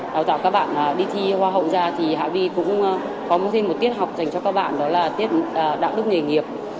đào tạo các bạn đi thi hoa hậu ra thì hạ vi cũng có thêm một tiết học dành cho các bạn đó là tiết đạo đức nghề nghiệp